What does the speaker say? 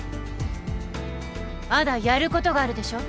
まだやることがあるでしょ。